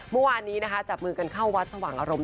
เมื่อวานนี้นะคะจับมือกันเข้าวัดสว่างอารมณ์